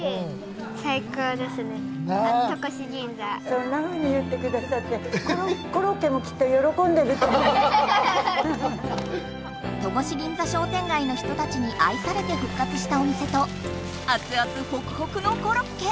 そんなふうに言ってくださって戸越銀座商店街の人たちに愛されて復活したお店とアツアツホクホクのコロッケ。